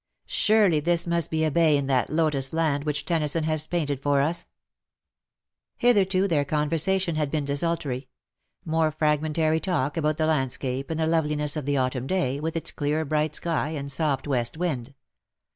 Surely this must be a bay in that Lotus land which Tennyson has painted for usP Hitherto their conversation had been desultory mere fragmentary talk about the landscape and the loveliness of the autumn day, with its clear bright sky and soft west wind.